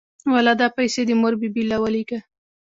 واله دا پيسې دې مور بي بي له ولېږه.